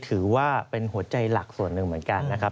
ถือว่าเป็นหัวใจหลักส่วนหนึ่งเหมือนกันนะครับ